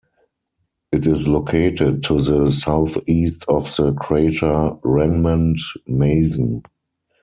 It is located to the southeast of the crater remnant Mason.